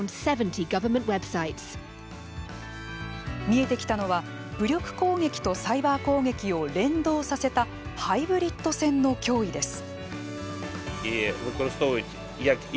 見えてきたのは武力攻撃とサイバー攻撃を連動させたハイブリッド戦の脅威です。